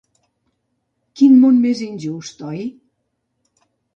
Quin món més injust, oi?